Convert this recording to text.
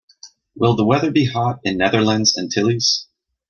Will the weather be hot in Netherlands Antilles?